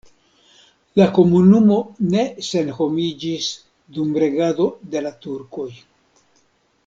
La komunumo ne senhomiĝis dum regado de la turkoj.